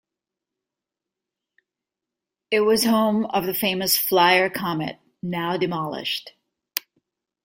It was home of the famous Flyer Comet, now demolished.